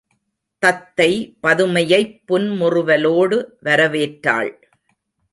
தத்தை பதுமையைப் புன்முறுவலோடு வரவேற்றாள்.